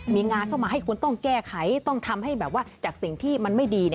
มีงานเข้ามาให้คุณต้องแก้ไขต้องทำให้แบบว่าจากสิ่งที่มันไม่ดี